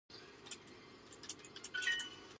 Cavoukian promotes the concept of Privacy by Design.